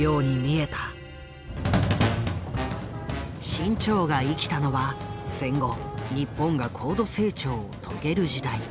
志ん朝が生きたのは戦後日本が高度成長を遂げる時代。